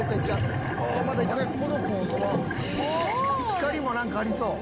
光もなんかありそう」